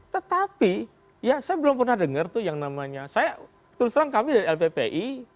tetapi ya saya belum pernah dengar tuh yang namanya saya terus terang kami dari lppi